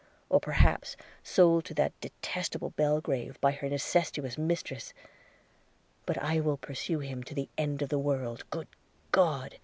or perhaps sold to that detestable Belgrave, by her necessitous mistress? But I will pursue him to the end of the world – Good God!'